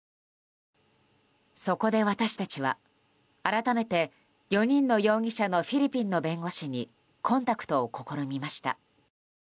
そこで私たちは改めて４人の容疑者のフィリピンの弁護士にコンタクトを試みました。